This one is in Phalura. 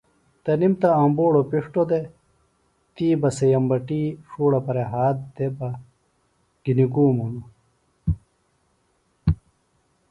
تنِم تہ آمبُوڑوۡ پِݜٹوۡ دےۡ تی بہ سے یمبٹی ݜوڑہ پھرےۡ ہات دےۡ بہ گِھنیۡ گُوم ہِنوۡ